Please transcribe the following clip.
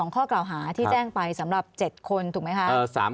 ข้อกล่าวหาที่แจ้งไปสำหรับ๗คนถูกไหมคะ